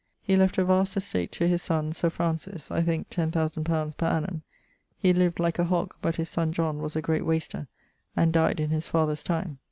He left a vast estate to his son, Sir Francis (I thinke ten thousand pounds, per annum); he lived like a hog, but his sonne John was a great waster, and dyed in his father's time.